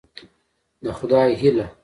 د خدای هيله